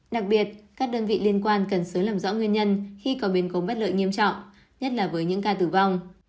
đặc biệt các đơn vị liên quan cần sớm làm rõ nguyên nhân khi có biến cố bất lợi nghiêm trọng nhất là với những ca tử vong